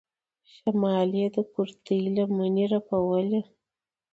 شمال يې د کورتۍ لمنې رپولې.